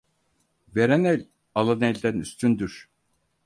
Veren el, alan elden üstündür.